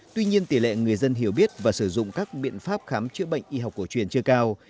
tuy nhiên tỷ lệ người dân hiểu biết và sử dụng các biện pháp khám chữa bệnh y học cổ truyền chưa cao